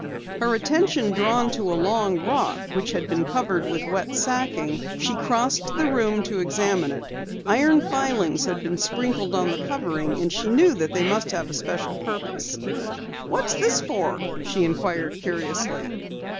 Her attention drawn to a large rock which had been covered with wet sacking, she crossed the room to examine it. Iron filings had been sprinkled on the covering, and she knew that they must have a special purpose. "What is this for?" she inquired curiously.